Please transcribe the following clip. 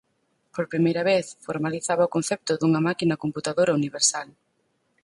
Por primeira vez, formalizaba o concepto dunha "máquina computadora universal".